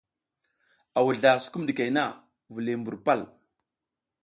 A wuzla sukum ɗikey na, viliy mbur pal.